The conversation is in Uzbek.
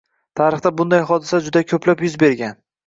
Tarixda bunday hodisalar juda ko‘plab yuz bergan